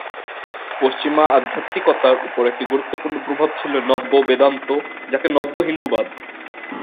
পশ্চিমা আধ্যাত্মিকতার উপর একটি গুরুত্বপূর্ণ প্রভাব ছিল নব্য-বেদান্ত, যাকে নব্য-হিন্দুবাদ।